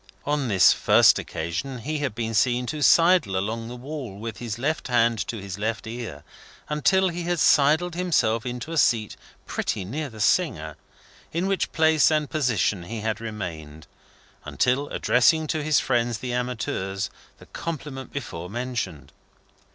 On this first occasion he had been seen to sidle along the wall, with his left hand to his left ear, until he had sidled himself into a seat pretty near the singer, in which place and position he had remained, until addressing to his friends the amateurs the compliment before mentioned.